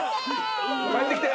帰ってきて。